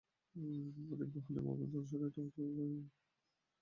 অধিক গ্রহণীয় অভিমত অনুসারে এটার অর্থ হচ্ছে, জ্ঞানের বাণী সম্বলিত একটি স্বর্ণের পাত।